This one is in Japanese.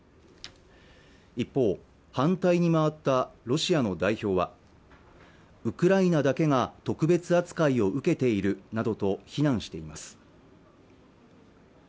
一方反対に回ったロシアの代表はウクライナだけが特別扱いを受けているなどと非難しています